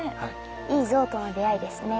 いい像との出会いですね。